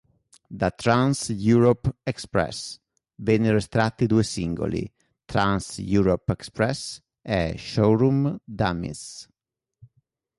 Da "Trans Europe Express" vennero estratti due singoli: "Trans Europe Express" e "Showroom Dummies".